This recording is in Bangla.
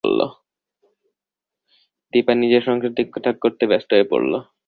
দিপা নিজের সংসার ঠিকঠাক করতে ব্যস্ত হয়ে পড়ল।